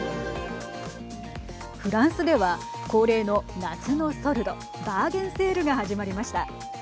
フランスでは恒例の夏のソルドバーゲンセールが始まりました。